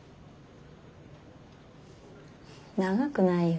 長くないよ。